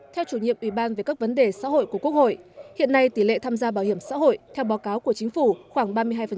theo chủ nhiệm ủy ban về các vấn đề xã hội của quốc hội hiện nay tỷ lệ tham gia bảo hiểm xã hội theo báo cáo của chính phủ khoảng ba mươi hai